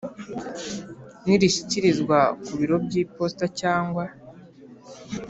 nirishyikirizwa ku biro by iposita cyangwa